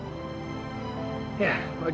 udah aku balik